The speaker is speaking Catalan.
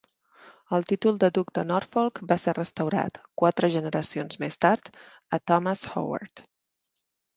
El títol de Duc de Norfolk va ser restaurat, quatre generacions més tard, a Thomas Howard.